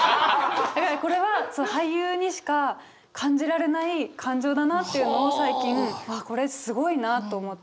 これは俳優にしか感じられない感情だなっていうのを最近ああこれすごいなと思って。